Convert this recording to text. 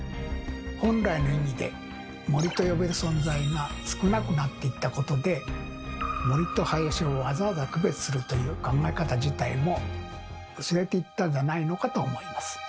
本来の意味で「森」と呼べる存在が少なくなっていったことで森と林をわざわざ区別するという考え方自体も薄れていったんじゃないのかと思います。